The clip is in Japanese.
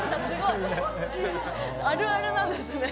あるあるなんですね。